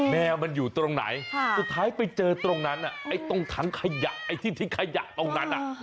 แมวมันอยู่ตรงไหนสุดท้ายไปเจอตรงนั้นไอ้ตรงถังขยะไอ้ที่ทิ้งขยะตรงนั้น